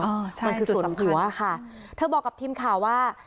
อ๋อใช่จุดสัมพันธ์มันคือส่วนหัวค่ะเธอบอกกับทีมข่าวว่า